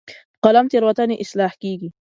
په قلم تیروتنې اصلاح کېږي.